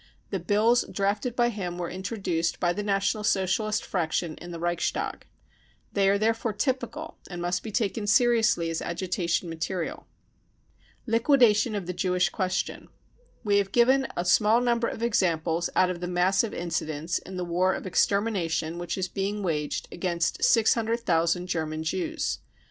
The " Bills 55 drafted by him were introduced by the National Socialist fraction in the Reichstag. They are therefore typical, and must be taken seriously as agitation material. Liquidation of the Jewish Question. We have given a small number of examples out of the mass of incidents in the war of extermination which is being waged against 600,000 German Jews.